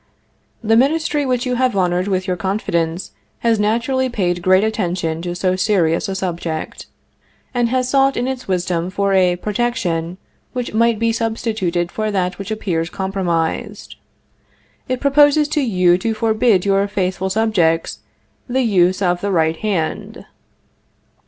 The Ministry which you have honored with your confidence has naturally paid great attention to so serious a subject, and has sought in its wisdom for a protection which might be substituted for that which appears compromised. It proposes to you to forbid your faithful subjects the use of the right hand.